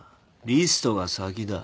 リストが先だ。